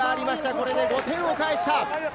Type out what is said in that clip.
これで５点を返した。